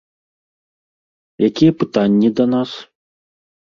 Якія пытанні да нас?